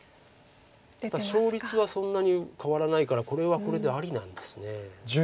勝率はそんなに変わらないからこれはこれでありなんですね。